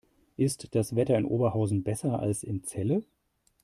Ist das Wetter in Oberhausen besser als in Celle?